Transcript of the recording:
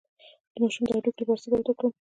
د ماشوم د هډوکو لپاره باید څه وکړم؟